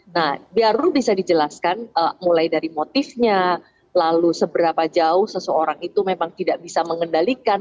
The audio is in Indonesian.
nah biar bisa dijelaskan mulai dari motifnya lalu seberapa jauh seseorang itu memang tidak bisa mengendalikan